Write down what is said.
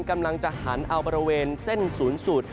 กำลังจะหันเอาบริเวณเส้นสูญสุด